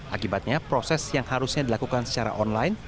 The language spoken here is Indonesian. akibatnya proses yang harusnya dilakukan secara online